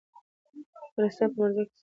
د افغانستان په منظره کې مس ښکاره ده.